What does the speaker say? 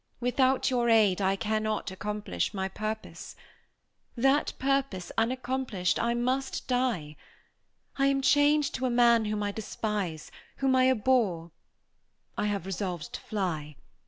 Without your aid I cannot accomplish my purpose. That purpose unaccomplished, I must die. I am chained to a man whom I despise whom I abhor. I have resolved to fly.